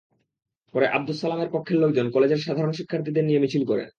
পরে আবদুস সালামের পক্ষের লোকজন কলেজের সাধারণ শিক্ষার্থীদের নিয়ে মিছিল করেন।